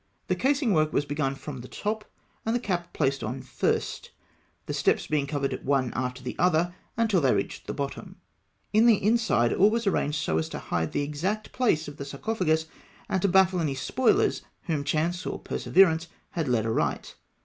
The casing work was begun from the top, and the cap placed on first, the steps being covered one after the other, until they reached the bottom (Note 21). In the inside all was arranged so as to hide the exact place of the sarcophagus, and to baffle any spoilers whom chance or perseverance had led aright.